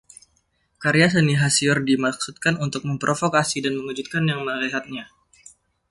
Karya seni Hasior dimaksudkan untuk memprovokasi dan mengejutkan yang melihatnya.